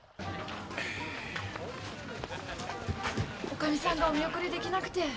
女将さんがお見送りできなくて。